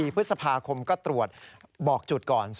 พฤษภาคมก็ตรวจบอกจุดก่อน